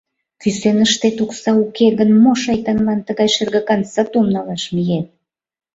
Кӱсеныштет окса уке гын, мо шайтанлан тыгай шергакан сатум налаш миет!